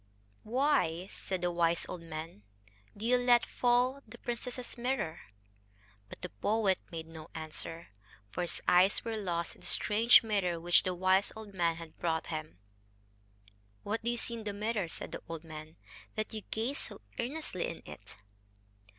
"Why," said the wise old man, "do you let fall the princess's mirror?" But the poet made no answer for his eyes were lost in the strange mirror which the wise old man had brought him. "What do you see in the mirror," said the old man, "that you gaze so earnestly in it?"